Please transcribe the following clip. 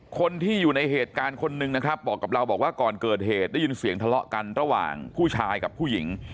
คนที่อยู่ในเหตุการณ์คนหนึ่งนะครับบอกกับเราบอกว่าก่อนเกิดเหตุได้ยินเสียงทะเลาะกันระหว่างผู้ชายกับผู้หญิง